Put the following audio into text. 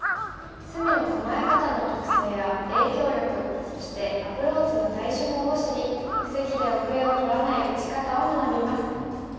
隅の構え方の特性や影響力そしてアプローチの対処法を知り布石で遅れを取らない打ち方を学びます。